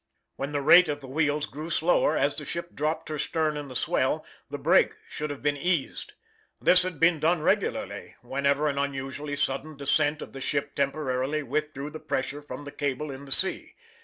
When the rate of the wheels grew slower, as the ship dropped her stern in the swell, the brake should have been eased. This had been done regularly whenever an unusually sudden descent of the ship temporarily withdrew the pressure from the cable in the sea.